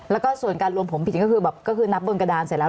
แล้วก็ส่วนการรวมผิดก็คือนับบนกระดามเสร็จแล้ว